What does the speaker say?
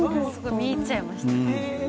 見入っちゃいました。